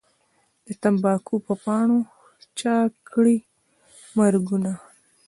د تمباکو په پاڼو چا کړي مرګونه